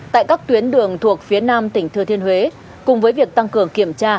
tại các tuyến đường thuộc phía nam tỉnh thừa thiên huế cùng với việc tăng cường kiểm tra